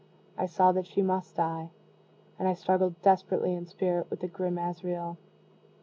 I saw that she must die and I struggled desperately in spirit with the grim Azrael.